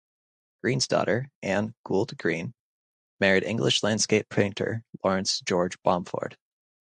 Green's daughter, Anne Goold Green, married English landscape painter Laurence George Bomford.